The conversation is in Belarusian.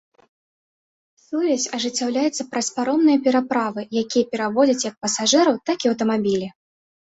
Сувязь ажыццяўляецца праз паромныя пераправы, якія перавозяць як пасажыраў, так і аўтамабілі.